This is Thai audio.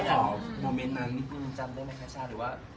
หมอโมเมนต์นั้นจำได้ไหมคะชาหรือว่า